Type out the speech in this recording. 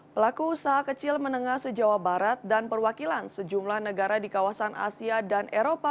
pelaku usaha kecil menengah se jawa barat dan perwakilan sejumlah negara di kawasan asia dan eropa